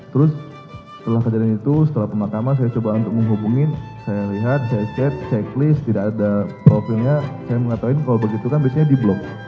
terus setelah kejadian itu setelah pemakaman saya coba untuk menghubungin saya lihat saya cek checklist tidak ada profilnya saya mengatakan kalau begitu kan biasanya di blok